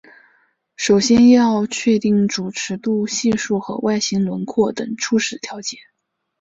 首先要确定主尺度系数和外形轮廓等初始条件。